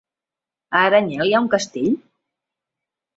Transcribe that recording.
A Aranyel hi ha un castell?